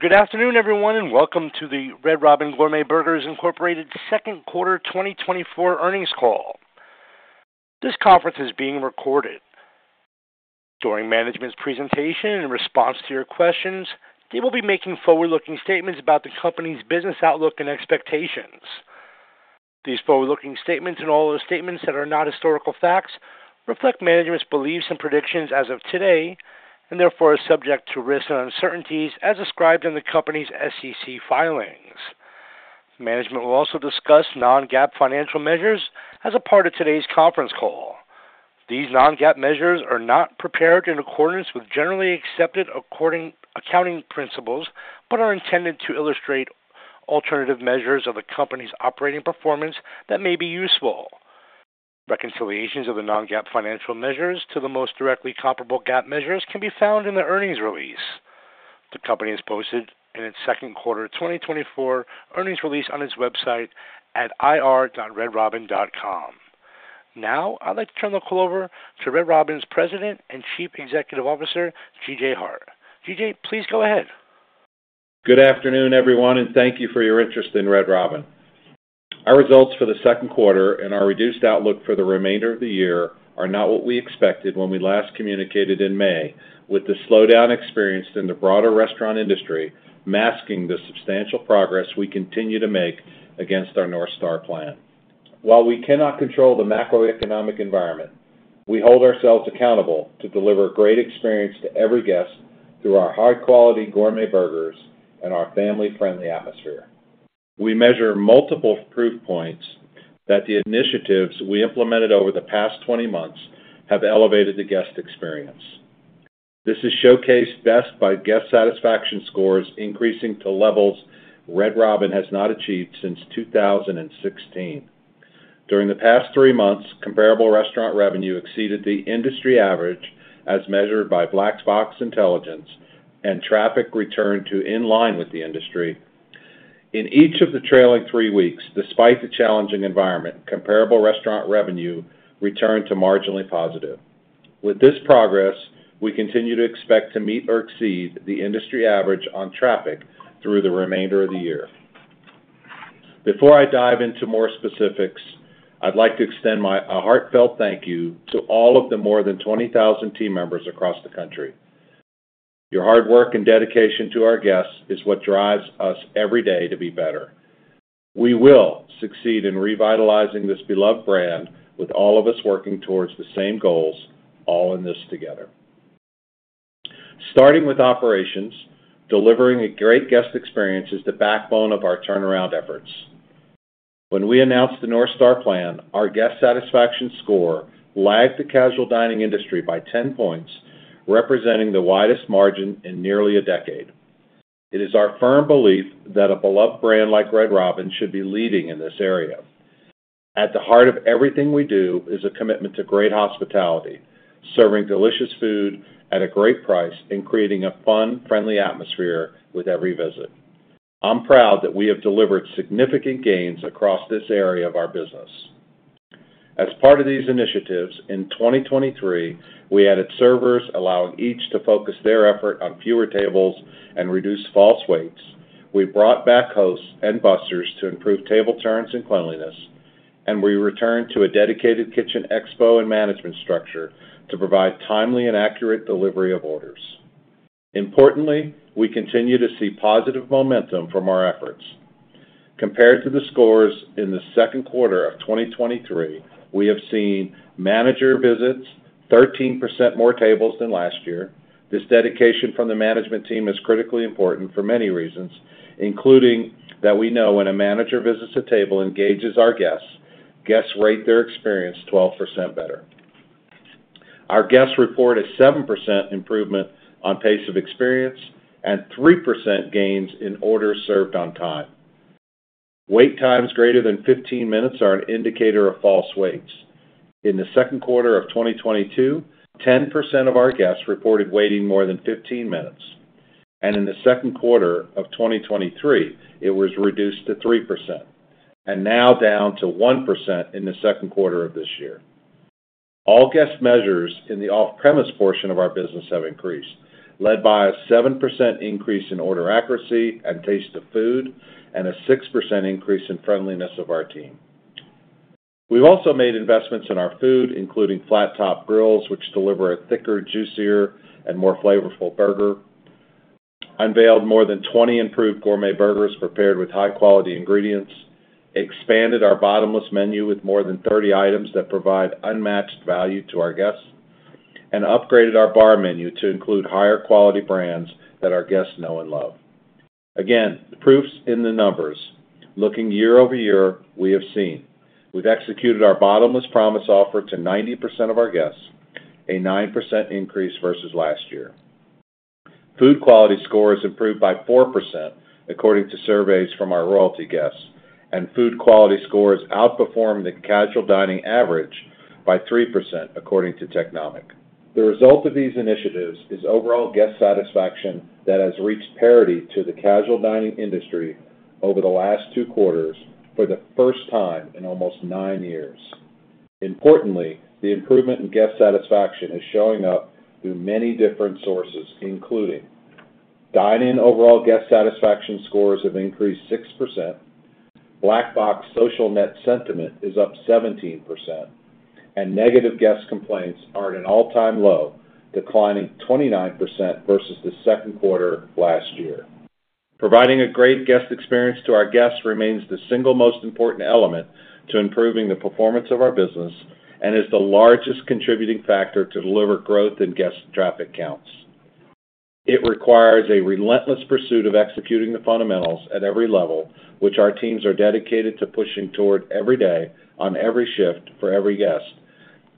Good afternoon, everyone, and welcome to the Red Robin Gourmet Burgers Incorporated Q2 2024 earnings call. This conference is being recorded. During management's presentation and in response to your questions, they will be making forward-looking statements about the company's business outlook and expectations. These forward-looking statements, and all other statements that are not historical facts, reflect management's beliefs and predictions as of today, and therefore are subject to risks and uncertainties as described in the company's SEC filings. Management will also discuss non-GAAP financial measures as a part of today's conference call. These non-GAAP measures are not prepared in accordance with generally accepted accounting principles, but are intended to illustrate alternative measures of the company's operating performance that may be useful. Reconciliations of the non-GAAP financial measures to the most directly comparable GAAP measures can be found in the earnings release. The company has posted in its Q2 2024 earnings release on its website at ir.redrobin.com. Now, I'd like to turn the call over to Red Robin's President and Chief Executive Officer, G.J. Hart. G.J., please go ahead. Good afternoon, everyone, and thank you for your interest in Red Robin. Our results for the Q2 and our reduced outlook for the remainder of the year are not what we expected when we last communicated in May, with the slowdown experienced in the broader restaurant industry masking the substantial progress we continue to make against our North Star Plan. While we cannot control the macroeconomic environment, we hold ourselves accountable to deliver a great experience to every guest through our high-quality gourmet burgers and our family-friendly atmosphere. We measure multiple proof points that the initiatives we implemented over the past twenty months have elevated the guest experience. This is showcased best by guest satisfaction scores increasing to levels Red Robin has not achieved since two thousand and sixteen. During the past three months, comparable restaurant revenue exceeded the industry average, as measured by Black Box Intelligence, and traffic returned to in line with the industry. In each of the trailing three weeks, despite the challenging environment, comparable restaurant revenue returned to marginally positive. With this progress, we continue to expect to meet or exceed the industry average on traffic through the remainder of the year. Before I dive into more specifics, I'd like to extend a heartfelt thank you to all of the more than 20,000 team members across the country. Your hard work and dedication to our guests is what drives us every day to be better. We will succeed in revitalizing this beloved brand with all of us working towards the same goals, all in this together. Starting with operations, delivering a great guest experience is the backbone of our turnaround efforts. When we announced the North Star Plan, our guest satisfaction score lagged the casual dining industry by ten points, representing the widest margin in nearly a decade. It is our firm belief that a beloved brand like Red Robin should be leading in this area. At the heart of everything we do is a commitment to great hospitality, serving delicious food at a great price, and creating a fun, friendly atmosphere with every visit. I'm proud that we have delivered significant gains across this area of our business. As part of these initiatives, in 2023, we added servers, allowing each to focus their effort on fewer tables and reduce false waits. We brought back hosts and busers to improve table turns and cleanliness, and we returned to a dedicated kitchen expo and management structure to provide timely and accurate delivery of orders. Importantly, we continue to see positive momentum from our efforts. Compared to the scores in the Q2 of 2023, we have seen manager visits, 13% more tables than last year. This dedication from the management team is critically important for many reasons, including that we know when a manager visits a table, engages our guests, guests rate their experience 12% better. Our guests report a 7% improvement on pace of experience and 3% gains in orders served on time. Wait times greater than 15 minutes are an indicator of false waits. In the Q2 of 2022, 10% of our guests reported waiting more than 15 minutes, and in the Q2 of 2023, it was reduced to 3%, and now down to 1% in the Q2 of this year. All guest measures in the off-premise portion of our business have increased, led by a 7% increase in order accuracy and taste of food, and a 6% increase in friendliness of our team. We've also made investments in our food, including flat top grills, which deliver a thicker, juicier, and more flavorful burger, unveiled more than 20 improved gourmet burgers prepared with high-quality ingredients, expanded our bottomless menu with more than 30 items that provide unmatched value to our guests, and upgraded our bar menu to include higher-quality brands that our guests know and love. Again, the proof's in the numbers. Looking year-over-year, we have seen: we've executed our Bottomless Promise offer to 90% of our guests, a 9% increase versus last year. Food quality scores improved by 4%, according to surveys from our Royalty guests, and food quality scores outperformed the casual dining average by 3%, according to Technomic. The result of these initiatives is overall guest satisfaction that has reached parity to the casual dining industry over the last two quarters for the first time in almost nine years. Importantly, the improvement in guest satisfaction is showing up through many different sources, including: dine-in overall guest satisfaction scores have increased 6%, Black Box social net sentiment is up 17%, and negative guest complaints are at an all-time low, declining 29% versus the Q2 of last year. Providing a great guest experience to our guests remains the single most important element to improving the performance of our business, and is the largest contributing factor to deliver growth in guest traffic counts. It requires a relentless pursuit of executing the fundamentals at every level, which our teams are dedicated to pushing toward every day, on every shift, for every guest,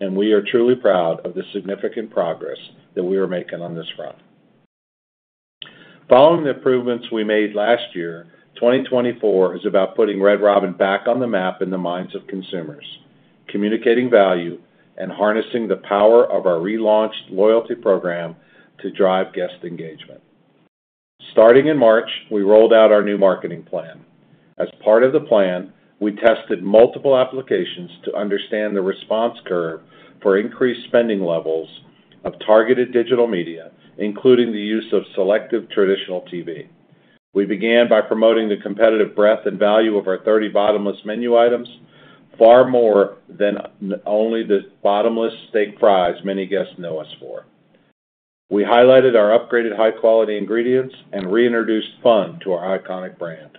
and we are truly proud of the significant progress that we are making on this front. Following the improvements we made last year, 2024 is about putting Red Robin back on the map in the minds of consumers, communicating value, and harnessing the power of our relaunched loyalty program to drive guest engagement. Starting in March, we rolled out our new marketing plan. As part of the plan, we tested multiple applications to understand the response curve for increased spending levels of targeted digital media, including the use of selective traditional TV. We began by promoting the competitive breadth and value of our 30 Bottomless menu items, far more than, only the Bottomless Steak Fries many guests know us for. We highlighted our upgraded high-quality ingredients and reintroduced fun to our iconic brand.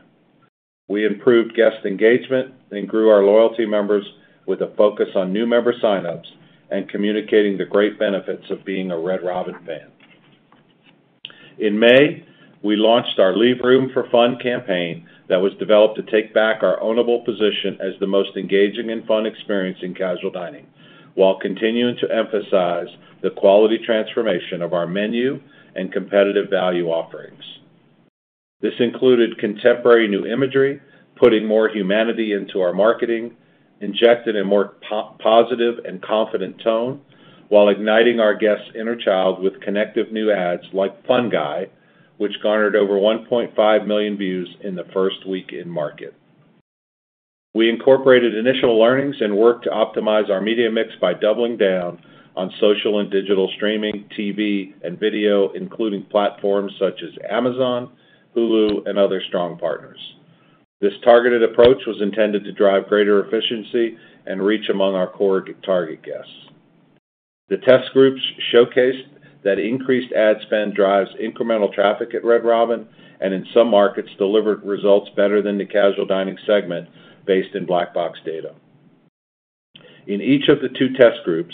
We improved guest engagement and grew our loyalty members with a focus on new member sign-ups and communicating the great benefits of being a Red Robin fan. In May, we launched our Leave Room for Fun campaign that was developed to take back our ownable position as the most engaging and fun experience in casual dining, while continuing to emphasize the quality transformation of our menu and competitive value offerings. This included contemporary new imagery, putting more humanity into our marketing, injected a more positive and confident tone, while igniting our guest's inner child with connective new ads like Fun Guy, which garnered over 1.5 million views in the first week in market. We incorporated initial learnings and worked to optimize our media mix by doubling down on social and digital streaming, TV, and video, including platforms such as Amazon, Hulu, and other strong partners. This targeted approach was intended to drive greater efficiency and reach among our core target guests. The test groups showcased that increased ad spend drives incremental traffic at Red Robin, and in some markets, delivered results better than the casual dining segment based in Black Box data. In each of the two test groups,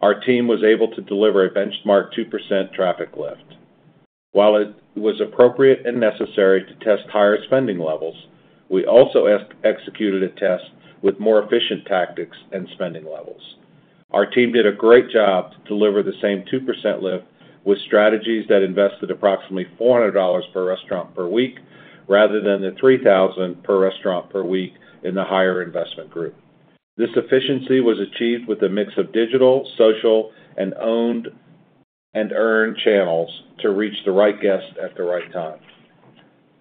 our team was able to deliver a benchmark 2% traffic lift. While it was appropriate and necessary to test higher spending levels, we also executed a test with more efficient tactics and spending levels. Our team did a great job to deliver the same 2% lift with strategies that invested approximately $400 per restaurant per week, rather than the $3,000 per restaurant per week in the higher investment group. This efficiency was achieved with a mix of digital, social, and owned and earned channels to reach the right guest at the right time.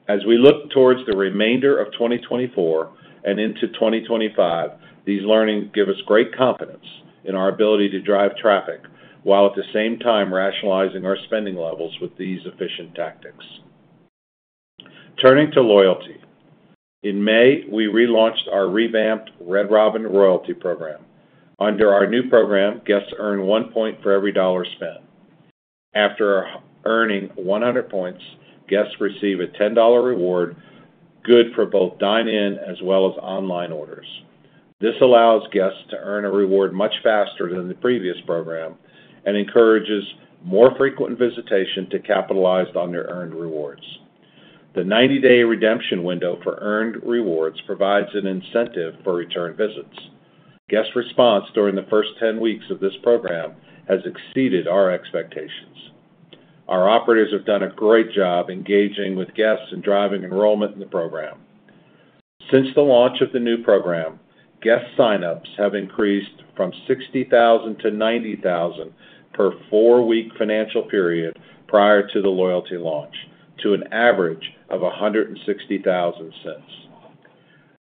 As we look towards the remainder of 2024 and into 2025, these learnings give us great confidence in our ability to drive traffic, while at the same time, rationalizing our spending levels with these efficient tactics. Turning to loyalty. In May, we relaunched our revamped Red Robin Royalty program. Under our new program, guests earn one point for every dollar spent. After earning 100 points, guests receive a $10 reward, good for both dine-in as well as online orders. This allows guests to earn a reward much faster than the previous program, and encourages more frequent visitation to capitalize on their earned rewards. The 90-day redemption window for earned rewards provides an incentive for return visits. Guest response during the first 10 weeks of this program has exceeded our expectations. Our operators have done a great job engaging with guests and driving enrollment in the program. Since the launch of the new program, guest sign-ups have increased from 60,000 to 90,000 per 4-week financial period prior to the loyalty launch, to an average of 160,000 since.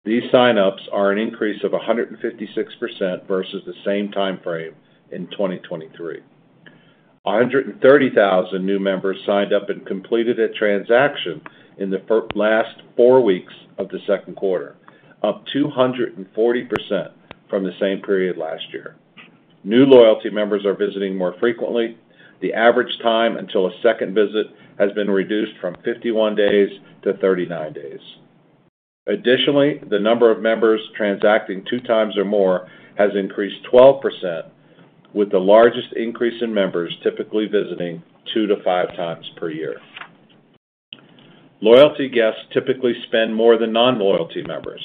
These sign-ups are an increase of 156% versus the same time frame in 2023. 130,000 new members signed up and completed a transaction in the last four weeks of the Q2, up 240% from the same period last year. New loyalty members are visiting more frequently. The average time until a second visit has been reduced from 51 days to 39 days. Additionally, the number of members transacting two times or more has increased 12%, with the largest increase in members typically visiting two to five times per year. Loyalty guests typically spend more than non-loyalty members.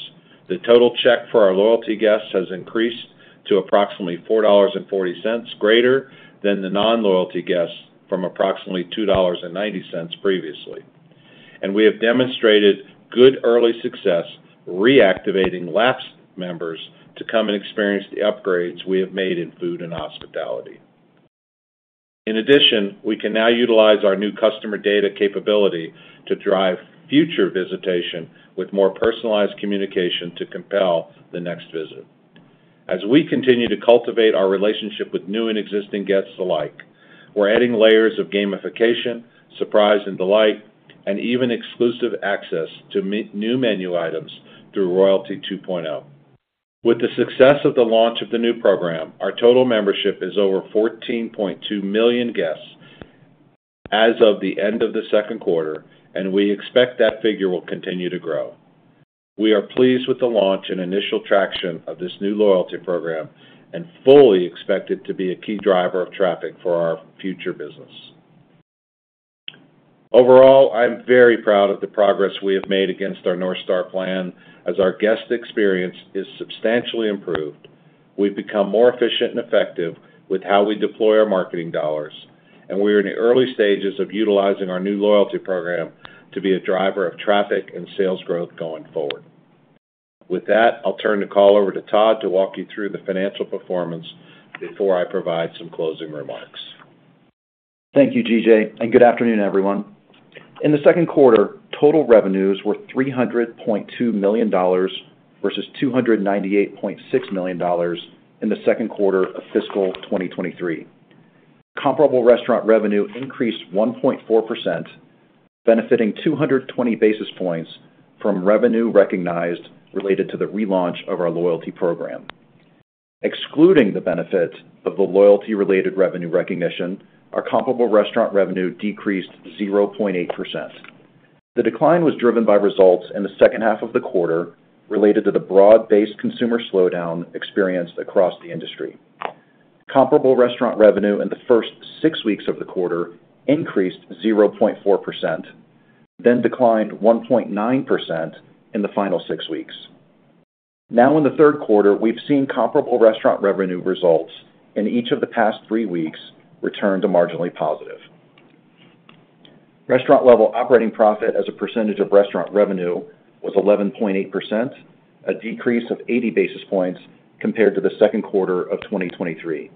The total check for our loyalty guests has increased to approximately $4.40 greater than the non-loyalty guests from approximately $2.90 previously. We have demonstrated good early success reactivating lapsed members to come and experience the upgrades we have made in food and hospitality. In addition, we can now utilize our new customer data capability to drive future visitation with more personalized communication to compel the next visit. As we continue to cultivate our relationship with new and existing guests alike, we're adding layers of gamification, surprise, and delight, and even exclusive access to new menu items through Royalty 2.0. With the success of the launch of the new program, our total membership is over 14.2 million guests as of the end of the Q2, and we expect that figure will continue to grow. We are pleased with the launch and initial traction of this new loyalty program, and fully expect it to be a key driver of traffic for our future business. Overall, I'm very proud of the progress we have made against our North Star Plan as our guest experience is substantially improved. We've become more efficient and effective with how we deploy our marketing dollars, and we are in the early stages of utilizing our new loyalty program to be a driver of traffic and sales growth going forward. With that, I'll turn the call over to Todd to walk you through the financial performance before I provide some closing remarks. Thank you, G.J., and good afternoon, everyone. In the Q2, total revenues were $300.2 million, versus $298.6 million in the Q2 of fiscal 2023. Comparable restaurant revenue increased 1.4%, benefiting 220 basis points from revenue recognized related to the relaunch of our loyalty program. Excluding the benefit of the loyalty-related revenue recognition, our comparable restaurant revenue decreased 0.8%. The decline was driven by results in the second half of the quarter related to the broad-based consumer slowdown experienced across the industry. Comparable restaurant revenue in the first six weeks of the quarter increased 0.4%, then declined 1.9% in the final six weeks. Now, in the Q3, we've seen comparable restaurant revenue results in each of the past three weeks return to marginally positive. Restaurant level operating profit as a percentage of restaurant revenue was 11.8%, a decrease of eighty basis points compared to the Q2 of 2023.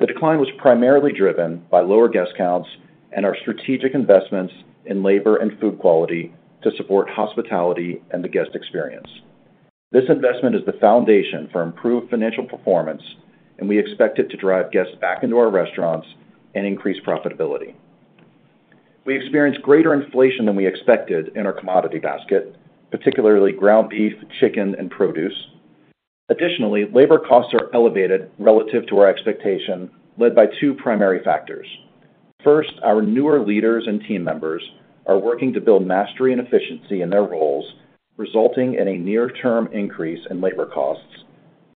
The decline was primarily driven by lower guest counts and our strategic investments in labor and food quality to support hospitality and the guest experience. This investment is the foundation for improved financial performance, and we expect it to drive guests back into our restaurants and increase profitability. We experienced greater inflation than we expected in our commodity basket, particularly ground beef, chicken, and produce. Additionally, labor costs are elevated relative to our expectation, led by two primary factors. First, our newer leaders and team members are working to build mastery and efficiency in their roles, resulting in a near-term increase in labor costs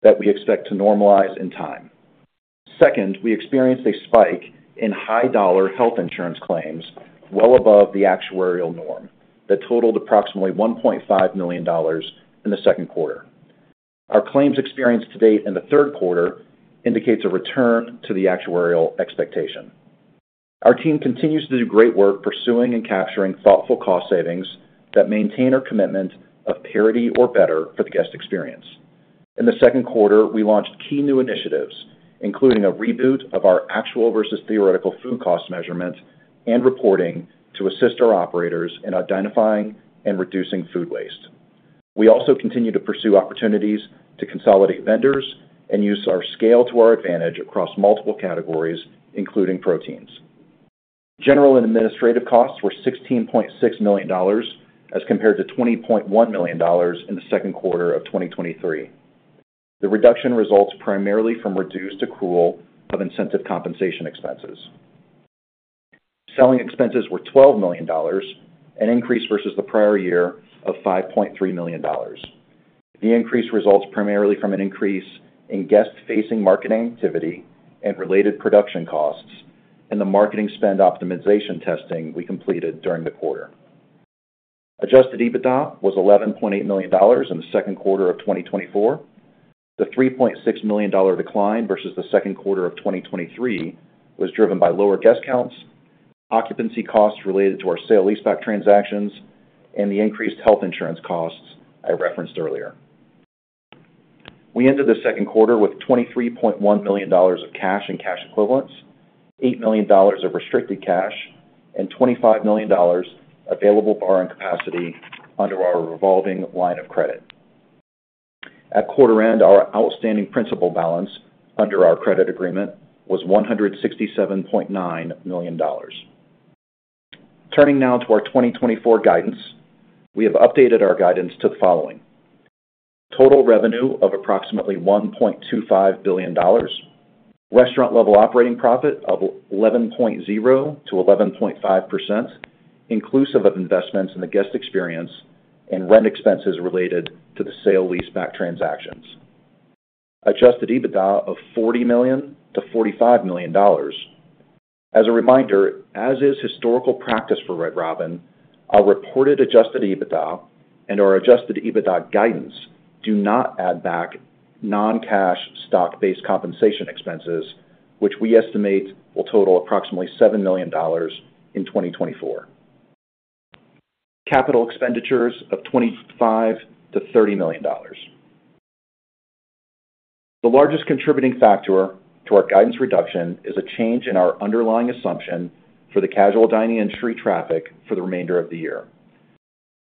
that we expect to normalize in time. Second, we experienced a spike in high-dollar health insurance claims well above the actuarial norm that totaled approximately $1.5 million in the Q2. Our claims experience to date in the Q3 indicates a return to the actuarial expectation. Our team continues to do great work pursuing and capturing thoughtful cost savings that maintain our commitment of parity or better for the guest experience. In the Q2, we launched key new initiatives, including a reboot of our actual versus theoretical food cost measurement and reporting to assist our operators in identifying and reducing food waste. We also continue to pursue opportunities to consolidate vendors and use our scale to our advantage across multiple categories, including proteins. General and administrative costs were $16.6 million, as compared to $20.1 million in the Q2 of 2023. The reduction results primarily from reduced accrual of incentive compensation expenses. Selling expenses were $12 million, an increase versus the prior year of $5.3 million. The increase results primarily from an increase in guest-facing marketing activity and related production costs, and the marketing spend optimization testing we completed during the quarter. Adjusted EBITDA was $11.8 million in the Q2 of 2024. The $3.6 million decline versus the Q2 of 2023 was driven by lower guest counts, occupancy costs related to our sale-leaseback transactions, and the increased health insurance costs I referenced earlier. We ended the Q2 with $23.1 million of cash and cash equivalents, $8 million of restricted cash, and $25 million available borrowing capacity under our revolving line of credit. At quarter end, our outstanding principal balance under our credit agreement was $167.9 million. Turning now to our 2024 guidance, we have updated our guidance to the following: Total revenue of approximately $1.25 billion. Restaurant level operating profit of 11.0% to 11.5%, inclusive of investments in the guest experience and rent expenses related to the sale leaseback transactions. Adjusted EBITDA of $40 million to 45 million. As a reminder, as is historical practice for Red Robin, our reported adjusted EBITDA and our adjusted EBITDA guidance do not add back non-cash stock-based compensation expenses, which we estimate will total approximately $7 million in 2024. Capital expenditures of $25 million to 30 million. The largest contributing factor to our guidance reduction is a change in our underlying assumption for the casual dining industry traffic for the remainder of the year.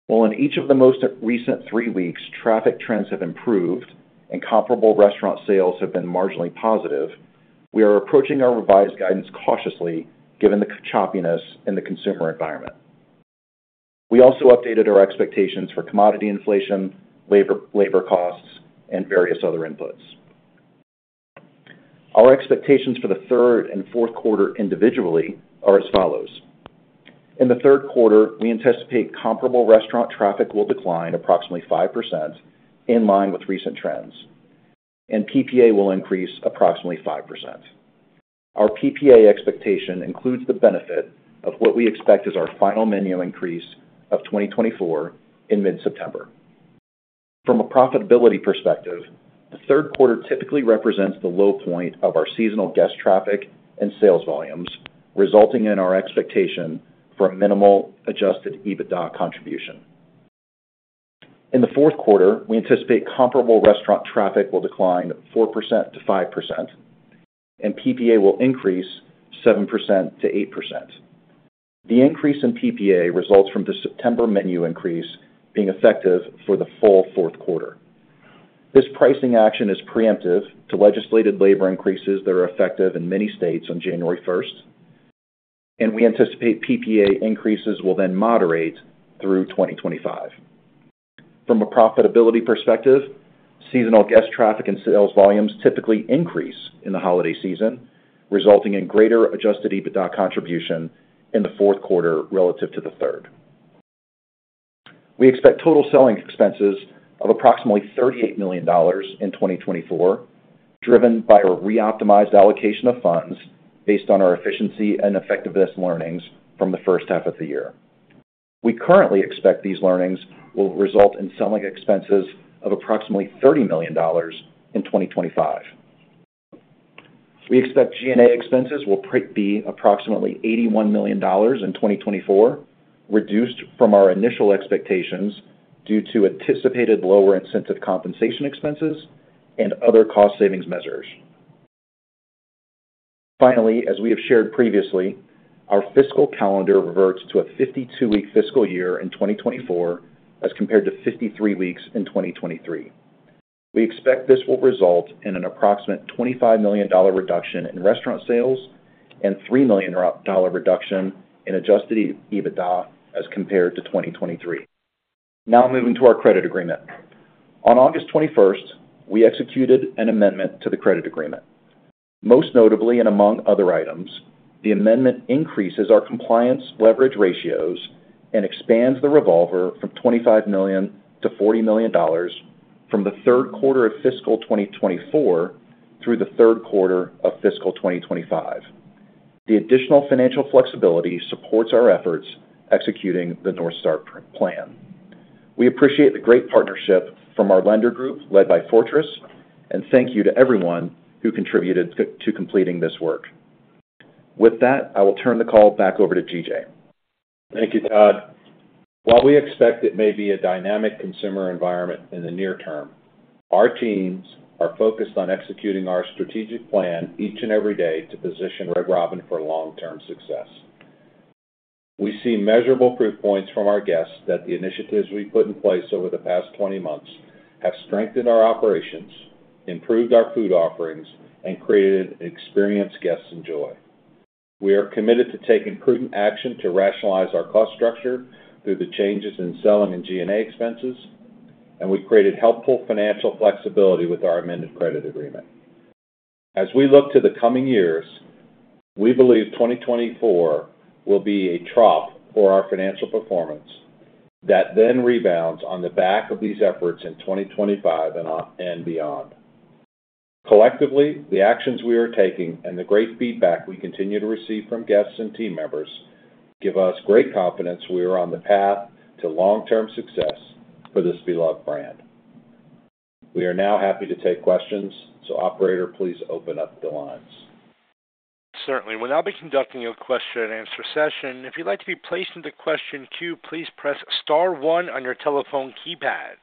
While in each of the most recent three weeks, traffic trends have improved and comparable restaurant sales have been marginally positive, we are approaching our revised guidance cautiously, given the choppiness in the consumer environment. We also updated our expectations for commodity inflation, labor, labor costs, and various other inputs. Our expectations for the Q3 and Q4 individually are as follows: In the Q3, we anticipate comparable restaurant traffic will decline approximately 5%, in line with recent trends, and PPA will increase approximately 5%. Our PPA expectation includes the benefit of what we expect is our final menu increase of 2024 in mid-September. From a profitability perspective, the Q3 typically represents the low point of our seasonal guest traffic and sales volumes, resulting in our expectation for a minimal adjusted EBITDA contribution. In the Q4, we anticipate comparable restaurant traffic will decline 4% to 5%, and PPA will increase 7% to 8%. The increase in PPA results from the September menu increase being effective for the full Q4. This pricing action is preemptive to legislated labor increases that are effective in many states on January first, and we anticipate PPA increases will then moderate through 2025. From a profitability perspective, seasonal guest traffic and sales volumes typically increase in the holiday season, resulting in greater adjusted EBITDA contribution in the Q4 relative to the Q3. We expect total selling expenses of approximately $38 million in 2024, driven by a reoptimized allocation of funds based on our efficiency and effectiveness learnings from the first half of the year. We currently expect these learnings will result in selling expenses of approximately $30 million in 2025. We expect G&A expenses will be approximately $81 million in 2024, reduced from our initial expectations due to anticipated lower incentive compensation expenses and other cost savings measures. Finally, as we have shared previously, our fiscal calendar reverts to a 52-week fiscal year in 2024, as compared to 53 weeks in 2023. We expect this will result in an approximate $25 million reduction in restaurant sales and $3 million reduction in Adjusted EBITDA as compared to 2023. Now moving to our credit agreement. On August 21st, we executed an amendment to the credit agreement. Most notably, and among other items, the amendment increases our compliance leverage ratios and expands the revolver from $25 million to 40 million from the Q3 of fiscal 2024 through the Q3 of fiscal 2025. The additional financial flexibility supports our efforts executing the North Star Plan. We appreciate the great partnership from our lender group, led by Fortress, and thank you to everyone who contributed to completing this work. With that, I will turn the call back over to G.J. Thank you, Todd. While we expect it may be a dynamic consumer environment in the near term, our teams are focused on executing our strategic plan each and every day to position Red Robin for long-term success. We see measurable proof points from our guests that the initiatives we put in place over the past twenty months have strengthened our operations, improved our food offerings, and created experiences guests enjoy. We are committed to taking prudent action to rationalize our cost structure through the changes in selling and G&A expenses, and we've created helpful financial flexibility with our amended credit agreement. As we look to the coming years, we believe 2024 will be a trough for our financial performance that then rebounds on the back of these efforts in 2025 and, and beyond. Collectively, the actions we are taking and the great feedback we continue to receive from guests and team members give us great confidence we are on the path to long-term success for this beloved brand. We are now happy to take questions, so operator, please open up the lines. Certainly. We'll now be conducting a question-and-answer session. If you'd like to be placed into question queue, please press star one on your telephone keypad.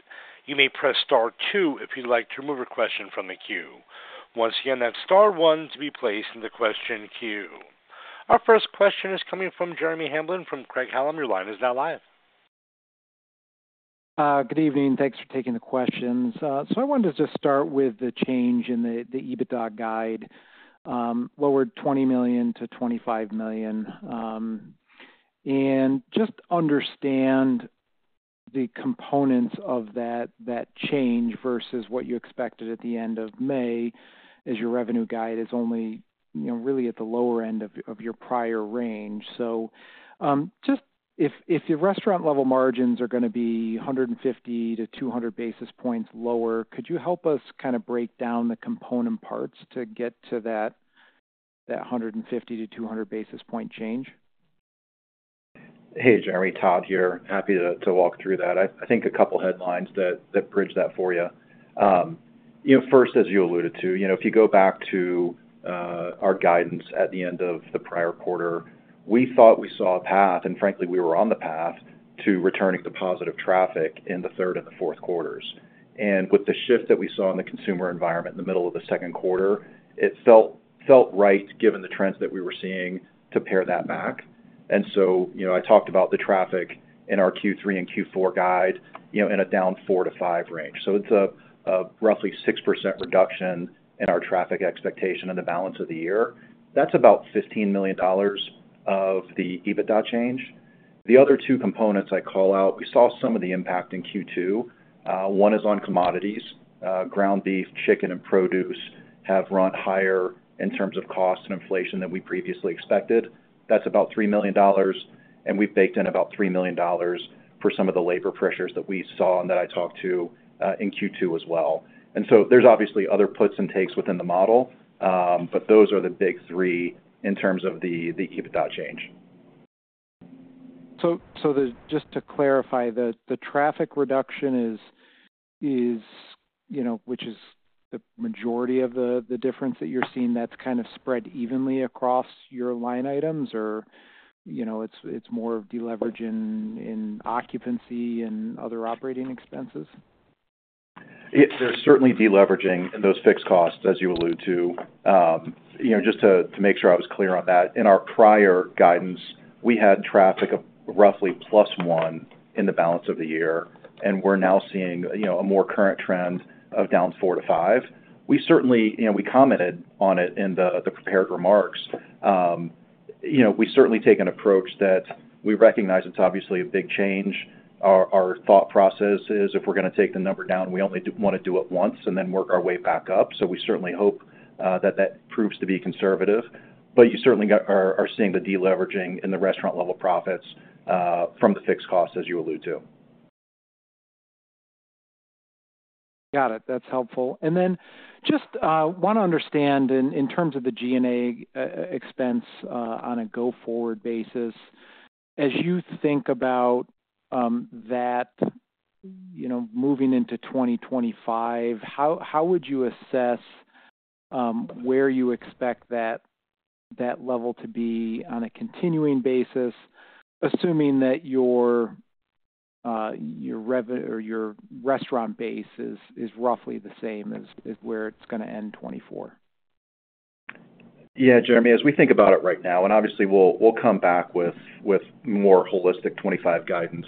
You may press star two if you'd like to remove a question from the queue. Once again, that's star one to be placed in the question queue. Our first question is coming from Jeremy Hamblin from Craig-Hallum. Your line is now live. Good evening. Thanks for taking the questions. So I wanted to just start with the change in the EBITDA guide, lowered $20 million to 25 million. And just understand the components of that change versus what you expected at the end of May, as your revenue guide is only, you know, really at the lower end of your prior range. So just if your restaurant level margins are gonna be 150 to 200 basis points lower, could you help us kind of break down the component parts to get to that 150 to 200 basis point change? Hey, Jeremy, Todd here. Happy to walk through that. I think a couple headlines that bridge that for you. You know, first, as you alluded to, you know, if you go back to our guidance at the end of the prior quarter, we thought we saw a path, and frankly, we were on the path to returning to positive traffic in the third and the Q4s. And with the shift that we saw in the consumer environment in the middle of the Q2, it felt right given the trends that we were seeing to pare that back. And so, you know, I talked about the traffic in our Q3 and Q4 guide, you know, in a down 4% to 5% range. So it's a roughly 6% reduction in our traffic expectation in the balance of the year. That's about $15 million of the EBITDA change. The other two components I call out, we saw some of the impact in Q2. One is on commodities, Ground beef, Chicken, and Produce have run higher in terms of cost and inflation than we previously expected. That's about $3 million, and we've baked in about $3 million for some of the labor pressures that we saw and that I talked to in Q2 as well. And so there's obviously other puts and takes within the model, but those are the big three in terms of the EBITDA change. So just to clarify, the traffic reduction is, you know, which is the majority of the difference that you're seeing, that's kind of spread evenly across your line items, or, you know, it's more of deleveraging in occupancy and other operating expenses? There's certainly deleveraging in those fixed costs, as you allude to. You know, just to make sure I was clear on that, in our prior guidance, we had traffic of roughly +1 in the balance of the year, and we're now seeing, you know, a more current trend of down four to five. We certainly, you know, we commented on it in the prepared remarks. You know, we certainly take an approach that we recognize it's obviously a big change. Our thought process is if we're gonna take the number down, we only wanna do it once and then work our way back up. So we certainly hope that that proves to be conservative, but you certainly are seeing the deleveraging in the restaurant level profits from the fixed costs, as you allude to. Got it. That's helpful. And then just wanna understand in terms of the G&A expense on a go-forward basis, as you think about that, you know, moving into 2025, how would you assess where you expect that level to be on a continuing basis, assuming that your restaurant base is roughly the same as where it's gonna end 2024? Yeah, Jeremy, as we think about it right now, and obviously, we'll come back with more holistic 2025 guidance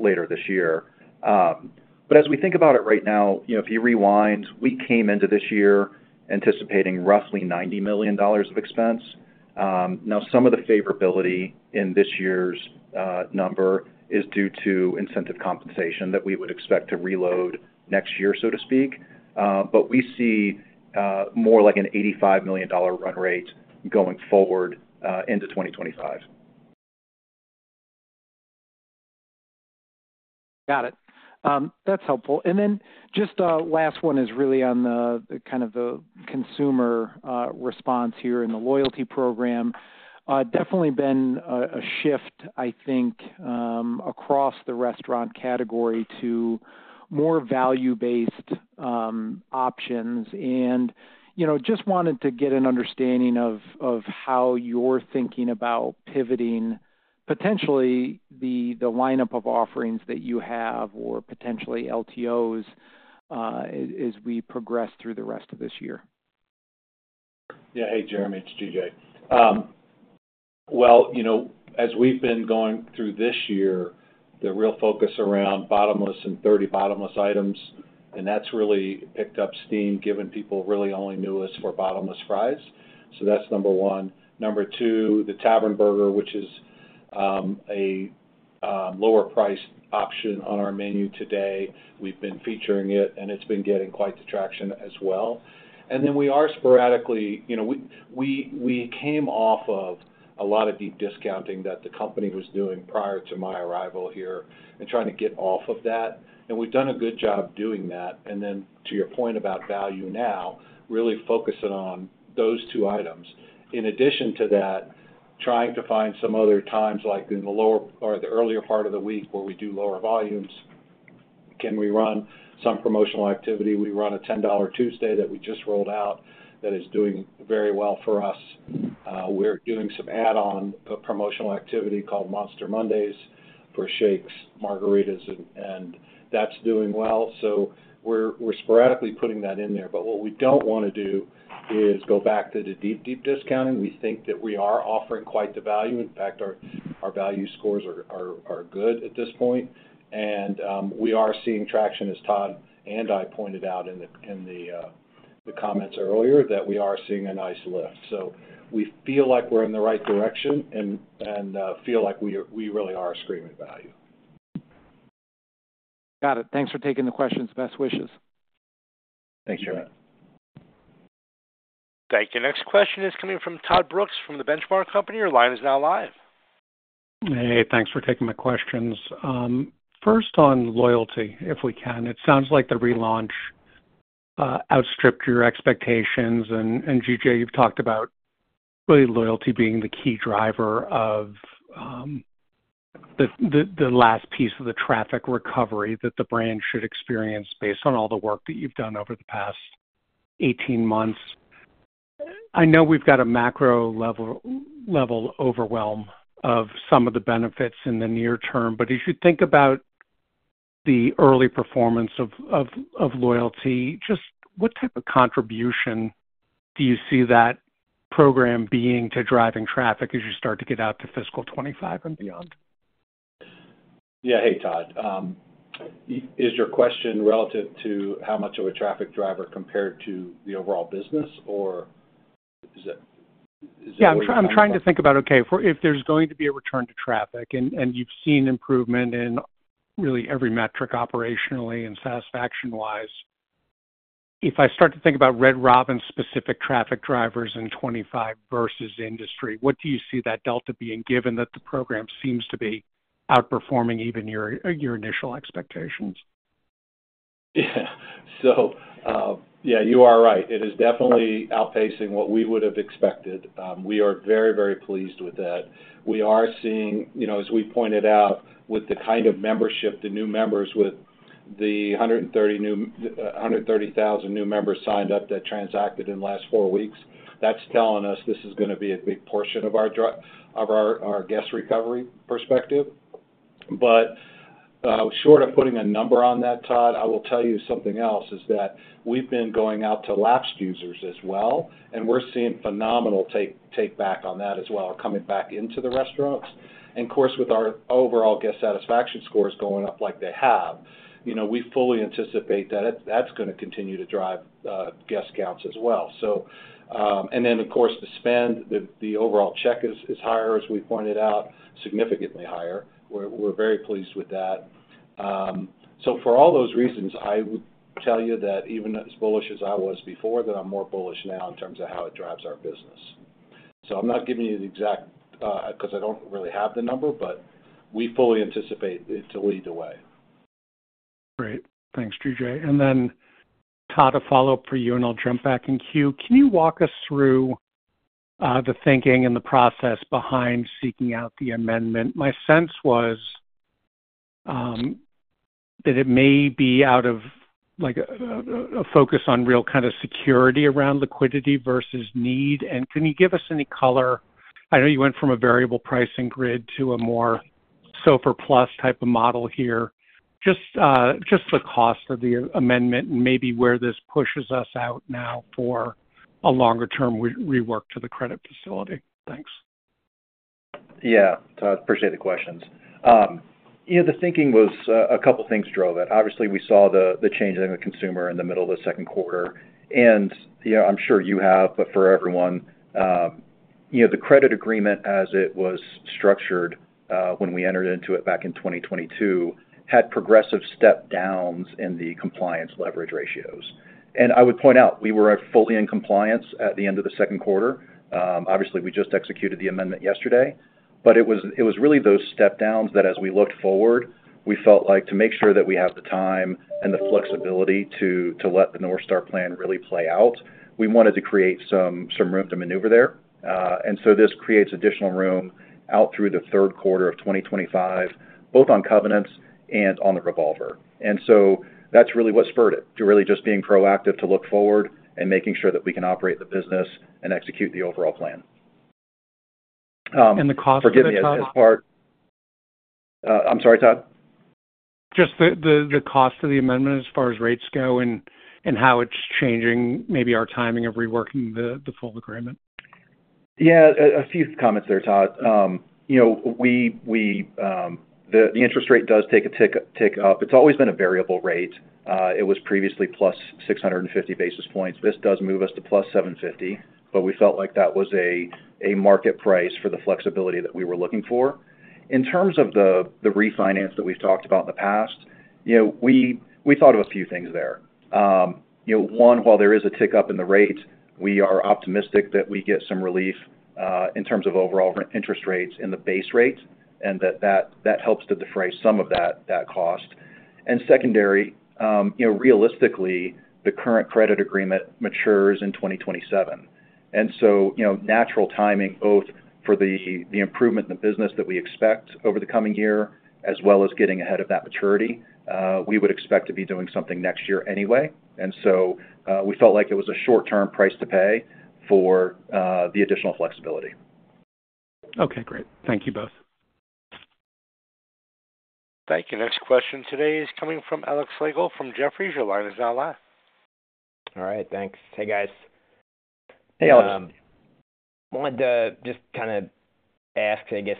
later this year. But as we think about it right now, you know, if you rewind, we came into this year anticipating roughly $90 million of expense. Now, some of the favorability in this year's number is due to incentive compensation that we would expect to reload next year, so to speak. But we see more like an $85 million run rate going forward into 2025. Got it. That's helpful. And then just a last one is really on the, kind of the consumer response here in the loyalty program. Definitely been a shift, I think, across the restaurant category to more value-based options. And, you know, just wanted to get an understanding of how you're thinking about pivoting, potentially, the lineup of offerings that you have, or potentially LTOs, as we progress through the rest of this year. Yeah. Hey, Jeremy, it's G.J. Well, you know, as we've been going through this year, the real focus around bottomless and 30 bottomless items, and that's really picked up steam, given people really only knew us for bottomless fries. So that's number one. Number two, the Tavern Burger, which is a lower price option on our menu today. We've been featuring it, and it's been getting quite the traction as well. And then we are sporadically. You know, we came off of a lot of deep discounting that the company was doing prior to my arrival here and trying to get off of that, and we've done a good job doing that. And then to your point about value now, really focusing on those two items. In addition to that, trying to find some other times, like in the lower or the earlier part of the week where we do lower volumes, can we run some promotional activity? We run a $10 Tuesday that we just rolled out, that is doing very well for us. We're doing some add-on promotional activity called Monster Mondays for shakes, margaritas, and that's doing well. So we're sporadically putting that in there. But what we don't wanna do is go back to the deep, deep discounting. We think that we are offering quite the value. In fact, our value scores are good at this point, and we are seeing traction, as Todd and I pointed out in the comments earlier, that we are seeing a nice lift. So we feel like we're in the right direction and feel like we really are screaming value. Got it. Thanks for taking the questions. Best wishes. Thank you. Thank you. Next question is coming from Todd Brooks from the Benchmark Company. Your line is now live. Hey, thanks for taking my questions. First, on loyalty, if we can. It sounds like the relaunch outstripped your expectations, and G.J., you've talked about really loyalty being the key driver of the last piece of the traffic recovery that the brand should experience based on all the work that you've done over the past 18 months. I know we've got a macro level overwhelm of some of the benefits in the near term, but as you think about the early performance of loyalty, just what type of contribution do you see that program being to driving traffic as you start to get out to fiscal 2025 and beyond? Yeah. Hey, Todd. Is your question relative to how much of a traffic driver compared to the overall business, or is that? Yeah, I'm trying to think about, okay, if there's going to be a return to traffic, and you've seen improvement in really every metric operationally and satisfaction-wise. If I start to think about Red Robin-specific traffic drivers in 2025 versus industry, what do you see that delta being, given that the program seems to be outperforming even your initial expectations? You are right. It is definitely outpacing what we would have expected. We are very, very pleased with that. We are seeing, you know, as we pointed out, with the kind of membership, the new members with the 130,000 new members signed up that transacted in the last four weeks, that's telling us this is gonna be a big portion of our drive of our guest recovery perspective. But, short of putting a number on that, Todd, I will tell you something else, is that we've been going out to lapsed users as well, and we're seeing phenomenal uptake on that as well, coming back into the restaurants. Of course, with our overall guest satisfaction scores going up like they have, you know, we fully anticipate that, that's gonna continue to drive guest counts as well. So, and then, of course, the spend, the overall check is higher, as we pointed out, significantly higher. We're very pleased with that. So for all those reasons, I would tell you that even as bullish as I was before, that I'm more bullish now in terms of how it drives our business. So I'm not giving you the exact, because I don't really have the number, but we fully anticipate it to lead the way. Great. Thanks, GJ. And then, Todd, a follow-up for you, and I'll jump back in queue. Can you walk us through the thinking and the process behind seeking out the amendment? My sense was that it may be out of, like, a focus on real kind of security around liquidity versus need. And can you give us any color? I know you went from a variable pricing grid to a more SOFR plus type of model here. Just the cost of the amendment and maybe where this pushes us out now for a longer-term rework to the credit facility. Thanks. Yeah, Todd, appreciate the questions. You know, the thinking was, a couple things drove it. Obviously, we saw the change in the consumer in the middle of the Q2, and, you know, I'm sure you have, but for everyone, you know, the credit agreement as it was structured, when we entered into it back in 2022, had progressive step downs in the compliance leverage ratios. And I would point out, we were fully in compliance at the end of the Q2. Obviously, we just executed the amendment yesterday, but it was really those step downs that as we looked forward, we felt like to make sure that we have the time and the flexibility to let the North Star Plan really play out, we wanted to create some room to maneuver there. And so this creates additional room out through the Q3 of 2025, both on covenants and on the revolver. And so that's really what spurred it, to really just being proactive, to look forward and making sure that we can operate the business and execute the overall plan. Forgive me, as part- The cost of it, Todd? I'm sorry, Todd? Just the cost of the amendment as far as rates go and how it's changing maybe our timing of reworking the full agreement. Yeah, a few comments there, Todd. You know, the interest rate does take a tick up. It's always been a variable rate. It was previously plus six hundred and fifty basis points. This does move us to plus seven fifty, but we felt like that was a market price for the flexibility that we were looking for. In terms of the refinance that we've talked about in the past, you know, we thought of a few things there. You know, one, while there is a tick up in the rate, we are optimistic that we get some relief in terms of overall interest rates in the base rate, and that helps to defray some of that cost. And secondary, you know, realistically, the current credit agreement matures in 2027. And so, you know, natural timing both for the improvement in the business that we expect over the coming year, as well as getting ahead of that maturity. We would expect to be doing something next year anyway. And so, we felt like it was a short-term price to pay for the additional flexibility. Okay, great. Thank you both. Thank you. Next question today is coming from Alex Slagle from Jefferies. Your line is now live. All right. Thanks. Hey, guys. Hey, Alex. Wanted to just kind of ask, I guess,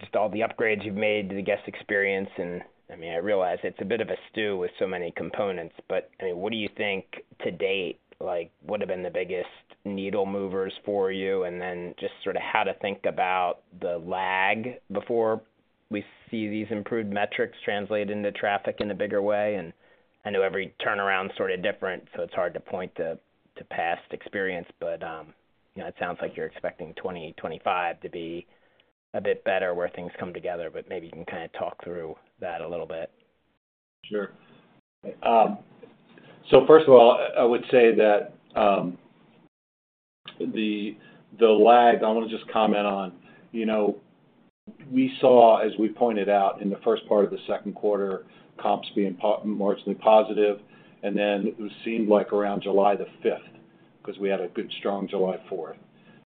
just all the upgrades you've made to the guest experience, and, I mean, I realize it's a bit of a stew with so many components, but, I mean, what do you think to date, like, would have been the biggest needle movers for you? And then just sort of how to think about the lag before we see these improved metrics translate into traffic in a bigger way. And I know every turnaround is sort of different, so it's hard to point to past experience, but, you know, it sounds like you're expecting 2025 to be a bit better where things come together, but maybe you can kind of talk through that a little bit. Sure. Um, First of all, I would say that the lag I want to just comment on, you know, we saw, as we pointed out in the first part of the Q2, comps being marginally positive, and then it seemed like around July the 5th, because we had a good, strong July 4th.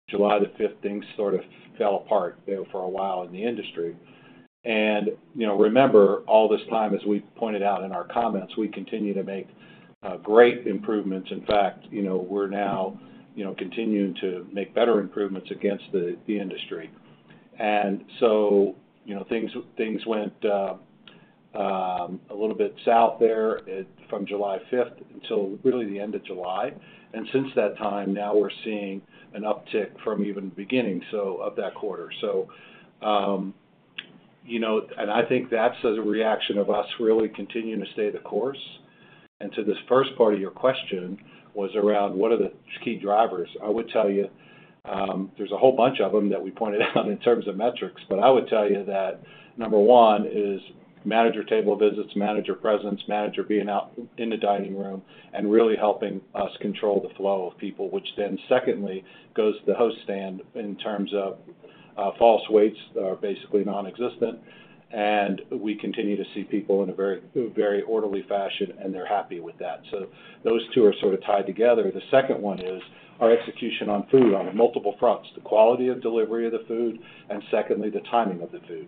July the 5th, things sort of fell apart there for a while in the industry. And, you know, remember, all this time, as we pointed out in our comments, we continue to make great improvements. In fact, you know, we're now, you know, continuing to make better improvements against the industry. And so, you know, things went a little bit south there from July 5th until really the end of July. And since that time, now we're seeing an uptick from even the beginning, so of that quarter. So, you know, and I think that's as a reaction of us really continuing to stay the course. And to this first part of your question was around what are the key drivers? I would tell you, there's a whole bunch of them that we pointed out in terms of metrics. But I would tell you that number one is manager table visits, manager presence, manager being out in the dining room and really helping us control the flow of people, which then secondly, goes to the host stand in terms of, false waits are basically nonexistent, and we continue to see people in a very, very orderly fashion, and they're happy with that. So those two are sort of tied together. The second one is our execution on food on multiple fronts, the quality of delivery of the food, and secondly, the timing of the food.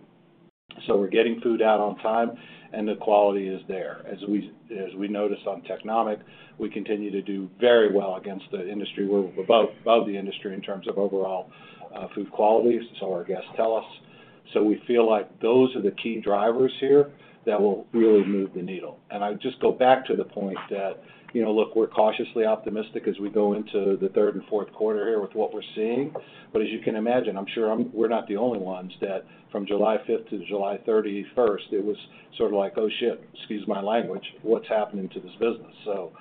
So we're getting food out on time, and the quality is there. As we noticed on Technomic, we continue to do very well against the industry. We're above the industry in terms of overall food quality, so our guests tell us. So we feel like those are the key drivers here that will really move the needle. And I just go back to the point that, you know, look, we're cautiously optimistic as we go into the third and Q4 here with what we're seeing. But as you can imagine, we're not the only ones that from July 5th to July 31st, it was sort of like, oh, shit, excuse my language, what's happening to this business? So,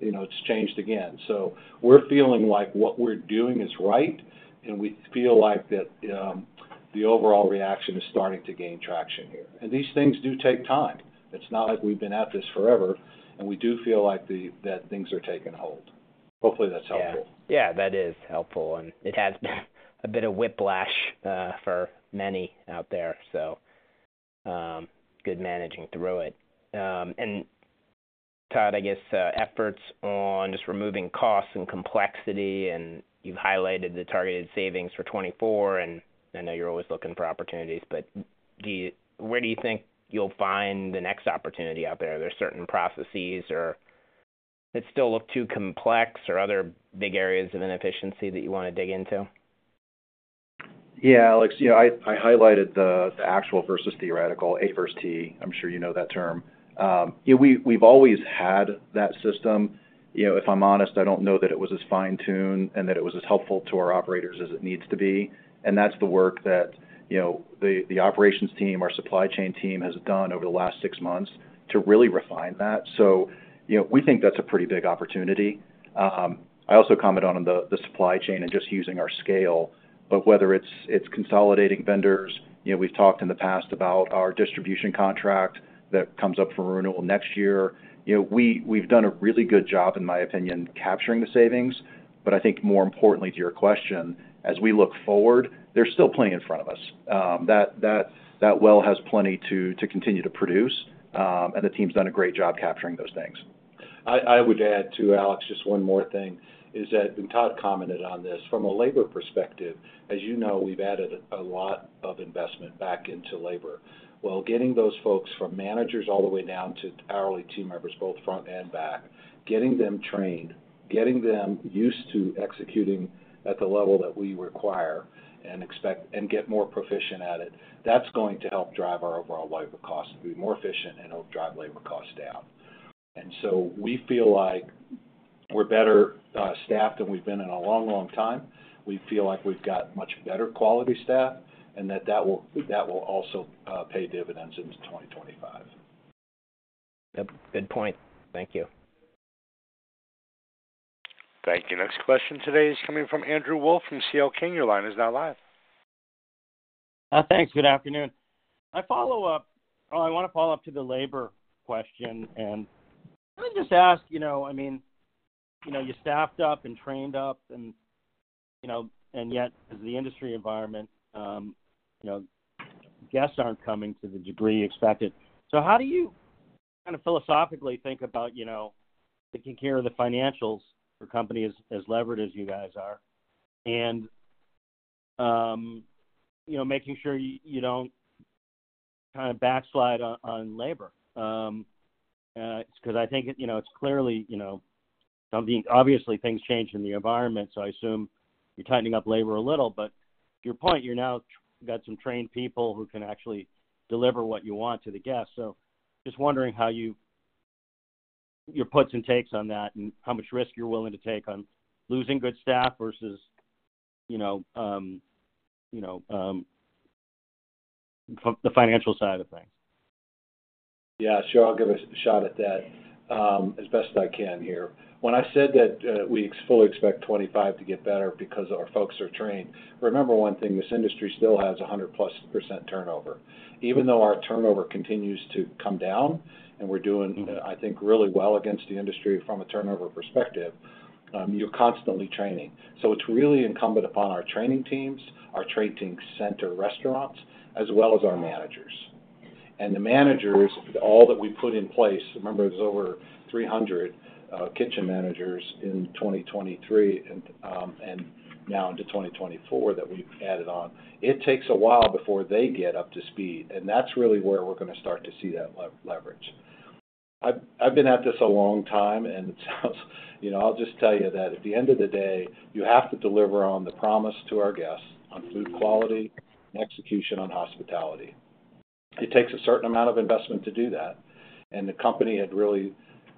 you know, it's changed again, so we're feeling like what we're doing is right, and we feel like that the overall reaction is starting to gain traction here, and these things do take time. It's not like we've been at this forever, and we do feel like that things are taking hold. Hopefully, that's helpful. Yeah. Yeah, that is helpful, and it has been a bit of whiplash for many out there, so good managing through it. And Todd, I guess, efforts on just removing costs and complexity, and you've highlighted the targeted savings for 2024, and I know you're always looking for opportunities, but do you, where do you think you'll find the next opportunity out there? Are there certain processes or that still look too complex or other big areas of inefficiency that you want to dig into? Yeah, Alex, you know, I highlighted the actual versus theoretical, A versus T. I'm sure you know that term. Yeah, we've always had that system. You know, if I'm honest, I don't know that it was as fine-tuned and that it was as helpful to our operators as it needs to be. And that's the work that, you know, the operations team, our supply chain team, has done over the last six months to really refine that. So, you know, we think that's a pretty big opportunity. I also comment on the supply chain and just using our scale, but whether it's consolidating vendors, you know, we've talked in the past about our distribution contract that comes up for renewal next year. You know, we've done a really good job, in my opinion, capturing the savings. But I think more importantly to your question, as we look forward, there's still plenty in front of us. That well has plenty to continue to produce, and the team's done a great job capturing those things. I would add, too, Alex, just one more thing, is that, and Todd commented on this. From a labor perspective, as you know, we've added a lot of investment back into labor. While getting those folks from managers all the way down to hourly team members, both front and back, getting them trained, getting them used to executing at the level that we require and expect, and get more proficient at it, that's going to help drive our overall labor costs to be more efficient and help drive labor costs down. And so we feel like we're better staffed than we've been in a long, long time. We feel like we've got much better quality staff, and that will also pay dividends into 2025. Yep. Good point. Thank you. Thank you. Next question today is coming from Andrew Wolf, from CL King. Your line is now live. Thanks. Good afternoon. I want to follow up to the labor question and, let me just ask, you know, I mean, you know, you staffed up and trained up and, you know, and yet, as the industry environment, you know, guests aren't coming to the degree expected. So how do you kind of philosophically think about, you know, taking care of the financials for companies as levered as you guys are, and, you know, making sure you don't kind of backslide on labor? Because I think, you know, it's clearly, you know, obviously, things changed in the environment, so I assume you're tightening up labor a little. But to your point, you're now got some trained people who can actually deliver what you want to the guests. Just wondering how your puts and takes on that and how much risk you're willing to take on losing good staff versus, you know, you know, from the financial side of things. Yeah, sure. I'll give a shot at that, as best as I can here. When I said that, we fully expect 2025 to get better because our folks are trained. Remember one thing, this industry still has 100%+ turnover. Even though our turnover continues to come down, and we're doing, I think, really well against the industry from a turnover perspective. You're constantly training. So it's really incumbent upon our training teams, our training center restaurants, as well as our managers. And the managers, all that we put in place, remember, there's over 300 kitchen managers in 2023 and now into 2024 that we've added on. It takes a while before they get up to speed, and that's really where we're gonna start to see that leverage. I've been at this a long time, and you know, I'll just tell you that at the end of the day, you have to deliver on the promise to our guests on food quality and execution on hospitality. It takes a certain amount of investment to do that, and the company had really,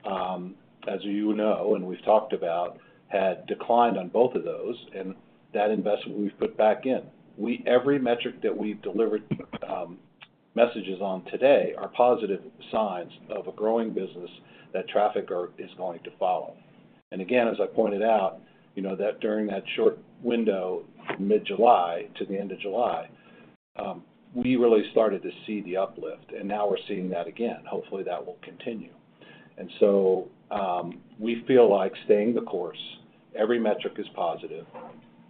as you know, and we've talked about, had declined on both of those, and that investment we've put back in. Every metric that we've delivered messages on today are positive signs of a growing business that traffic is going to follow. And again, as I pointed out, you know, that during that short window, mid-July to the end of July, we really started to see the uplift, and now we're seeing that again. Hopefully, that will continue. And so, we feel like staying the course, every metric is positive,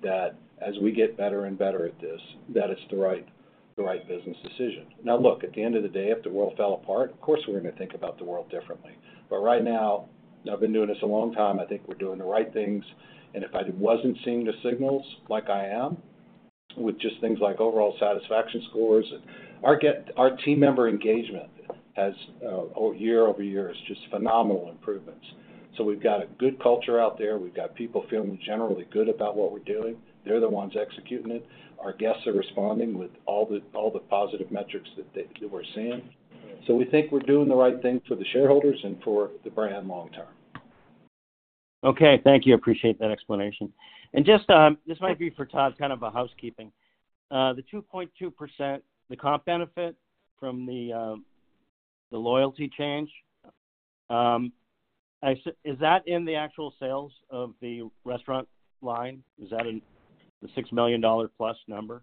that as we get better and better at this, that it's the right business decision. Now, look, at the end of the day, if the world fell apart, of course, we're gonna think about the world differently. But right now, I've been doing this a long time, I think we're doing the right things. And if I wasn't seeing the signals like I am, with just things like overall satisfaction scores, and our team member engagement has year-over-year is just phenomenal improvements. So we've got a good culture out there. We've got people feeling generally good about what we're doing. They're the ones executing it. Our guests are responding with all the positive metrics that we're seeing. So we think we're doing the right thing for the shareholders and for the brand long term. Okay, thank you. Appreciate that explanation. And just, this might be for Todd, kind of, a housekeeping. The 2.2%, the comp benefit from the loyalty change, is that in the actual sales of the restaurant line? Is that in the $6 million+ number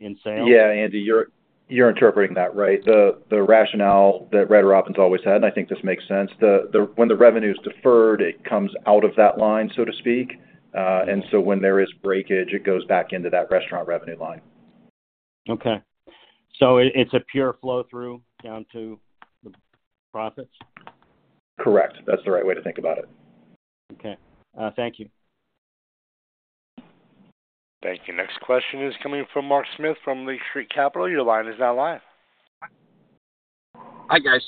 in sales? Yeah, Andy, you're interpreting that right. The rationale that Red Robin's always had, and I think this makes sense, when the revenue is deferred, it comes out of that line, so to speak. And so when there is breakage, it goes back into that restaurant revenue line. Okay. So it's a pure flow-through down to the profits? Correct. That's the right way to think about it. Okay, thank you. Thank you. Next question is coming from Mark Smith from Lake Street Capital. Your line is now live. Hi, guys.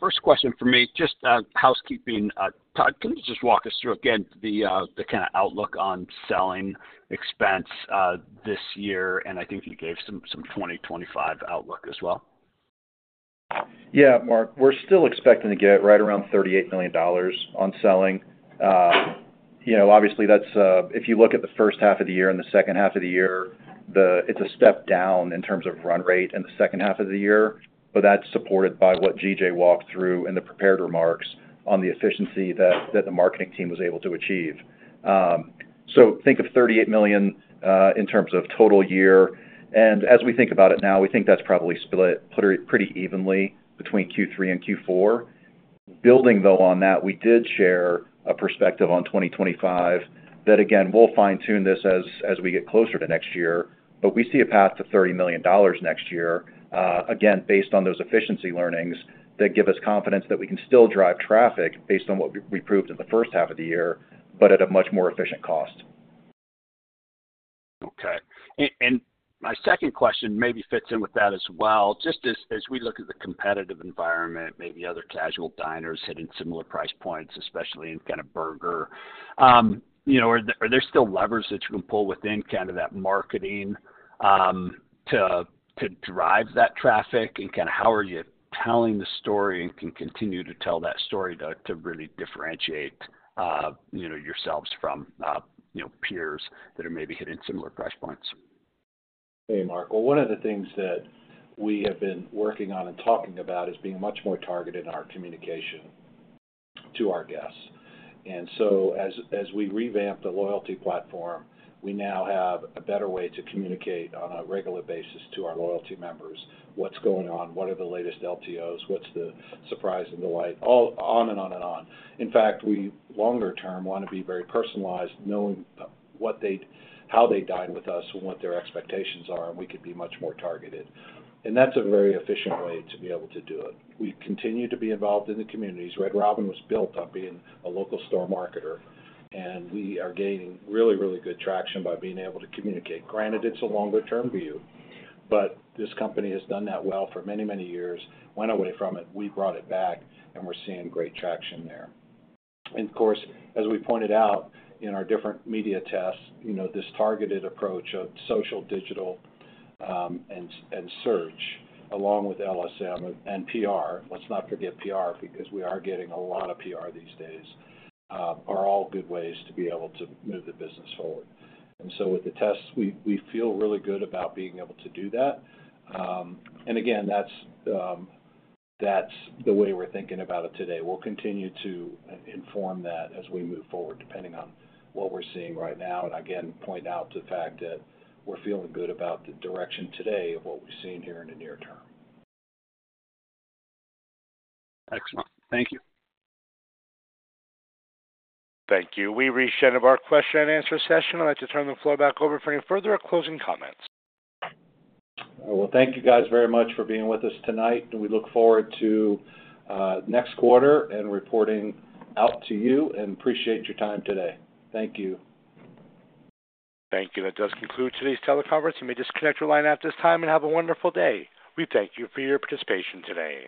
First question for me, just, housekeeping. Todd, can you just walk us through again, the kind of outlook on selling expense, this year? And I think you gave some 2025 outlook as well. Yeah, Mark, we're still expecting to get right around $38 million on selling. You know, obviously, that's if you look at the first half of the year and the second half of the year, it's a step down in terms of run rate in the second half of the year, but that's supported by what G.J. walked through in the prepared remarks on the efficiency that the marketing team was able to achieve. So think of $38 million in terms of total year. And as we think about it now, we think that's probably split pretty evenly between Q3 and Q4. Building, though, on that, we did share a perspective on 2025, that again, we'll fine-tune this as we get closer to next year. But we see a path to $30 million next year, again, based on those efficiency learnings, that give us confidence that we can still drive traffic based on what we proved in the first half of the year, but at a much more efficient cost. Okay. And my second question maybe fits in with that as well. Just as we look at the competitive environment, maybe other casual diners hitting similar price points, especially in kind of burger, you know, are there still levers that you can pull within kind of that marketing, to drive that traffic? And kinda how are you telling the story and can continue to tell that story to really differentiate, you know, yourselves from, you know, peers that are maybe hitting similar price points? Hey, Mark. Well, one of the things that we have been working on and talking about is being much more targeted in our communication to our guests. And so as we revamp the loyalty platform, we now have a better way to communicate on a regular basis to our loyalty members, what's going on, what are the latest LTOs, what's the surprise and delight? All on and on and on. In fact, we longer term want to be very personalized, knowing how they dine with us and what their expectations are, and we could be much more targeted. And that's a very efficient way to be able to do it. We continue to be involved in the communities. Red Robin was built on being a local store marketer, and we are gaining really, really good traction by being able to communicate. Granted, it's a longer-term view, but this company has done that well for many, many years. Went away from it, we brought it back, and we're seeing great traction there. And of course, as we pointed out in our different media tests, you know, this targeted approach of social, digital, and search, along with LSM and PR, let's not forget PR, because we are getting a lot of PR these days, are all good ways to be able to move the business forward. And so with the tests, we feel really good about being able to do that. And again, that's the way we're thinking about it today. We'll continue to inform that as we move forward, depending on what we're seeing right now. Again, point out the fact that we're feeling good about the direction today of what we're seeing here in the near term. Excellent. Thank you. Thank you. We've reached the end of our question and answer session. I'd like to turn the floor back over for any further closing comments. Thank you guys very much for being with us tonight, and we look forward to next quarter and reporting out to you, and appreciate your time today. Thank you. Thank you. That does conclude today's teleconference. You may disconnect your line at this time and have a wonderful day. We thank you for your participation today.